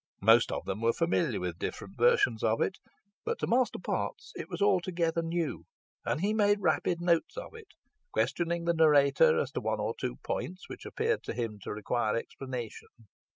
Most of them were familiar with different versions of it; but to Master Potts it was altogether new, and he made rapid notes of it, questioning the narrator as to one or two points which appeared to him to require explanation.